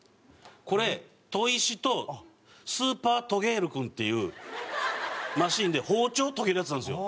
これ砥石とスーパートゲール君っていうマシンで包丁を研げるやつなんですよ。